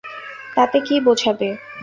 তাতে কী বোঝাবে।